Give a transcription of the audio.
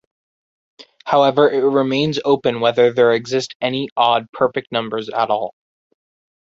However, it remains open whether there exist any odd perfect numbers at all.